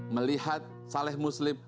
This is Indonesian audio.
melihat saleh muslim